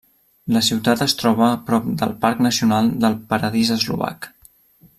La ciutat es troba prop del Parc Nacional del Paradís Eslovac.